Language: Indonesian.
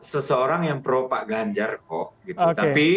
seseorang yang pro pak ganjar kok gitu